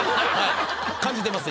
感じてます